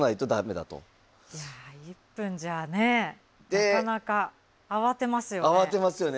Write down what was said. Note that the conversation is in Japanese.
いや１分じゃねなかなか慌てますよね。